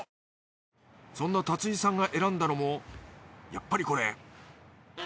そんな龍井さんが選んだのもやっぱりこれ。